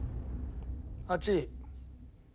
８位。